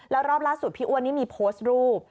แล้วรอบล่าสุดพี่อ้วนนี่มีโพสต์รูป